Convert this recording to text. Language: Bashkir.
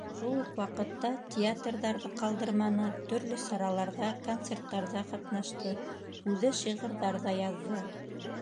Шул уҡ ваҡытта театрҙарҙы ҡалдырманы, төрлө сараларҙа, концерттарҙа ҡатнашты, үҙе шиғырҙар ҙа яҙҙы.